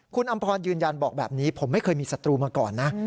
คุณอำพรยืนยันบอกแบบนี้ผมไม่เคยมีศัตรูมาก่อนนะ